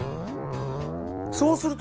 そうするとね。